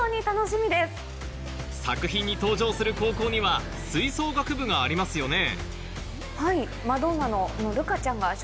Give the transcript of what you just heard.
作品に登場する高校には吹奏楽部がありますよねはい。